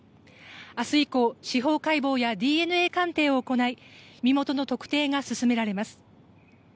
明日以降司法解剖やＤＮＡ鑑定を行い身元の特定が進められます。